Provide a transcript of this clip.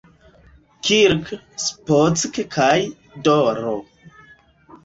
Kirk, Spock kaj D-ro.